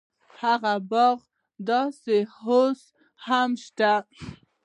هغه باغ دې اوس هم شته.